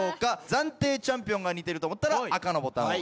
暫定チャンピオンが似てると思ったら赤のボタンを。